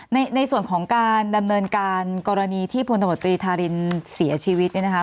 ในส่วนของการดำเนินการกรณีที่พลตมตรีธารินเสียชีวิตเนี่ยนะคะ